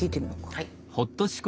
はい。